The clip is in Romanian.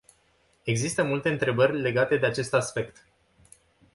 Există multe întrebări legate de acest aspect.